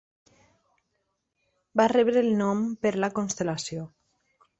Va rebre el nom per la constel·lació.